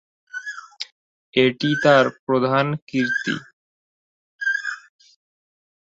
এটিই তার প্রধান কীর্তি।